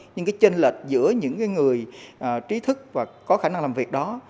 nhưng cái chênh lệch giữa những người trí thức và có khả năng làm việc đó